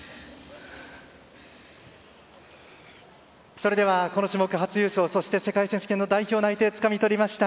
それでは、この種目、初優勝そして、世界選手権の代表内定をつかみ取りました。